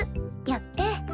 やって。